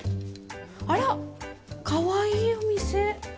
あらっ、かわいいお店。